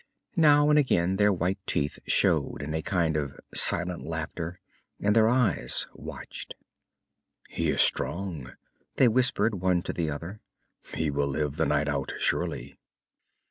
Now and again their white teeth showed in a kind of silent laughter, and their eyes watched. "He is strong," they whispered, one to the other. "He will live the night out, surely!"